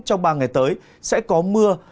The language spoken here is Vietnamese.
trong ba ngày tới sẽ có mưa